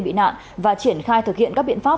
bị nạn và triển khai thực hiện các biện pháp